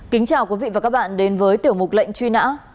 kính chào quý vị và các bạn đến với tiểu mục lệnh truy nã